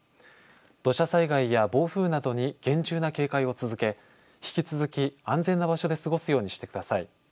土砂災害や暴風などに厳重な警戒を続け、引き続き安全な場所で過ごすようにしてください。